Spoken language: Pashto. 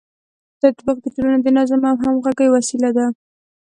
تطبیق د ټولنې د نظم او همغږۍ وسیله ده.